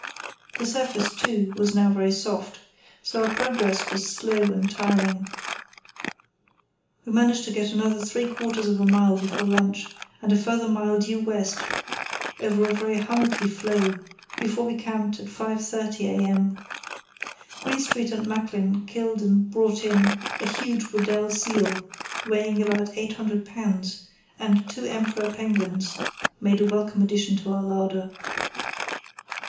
The surface, too, was now very soft, so our progress was slow and tiring. We managed to get another three quarters of a mile before lunch, and a further mile due west over a very hummocky floe before we camped at 5.30 a.m. Greenstreet and Macklin killed and brought in a huge Weddell seal weighing about 800 lbs., and two emperor penguins made a welcome addition to our larder.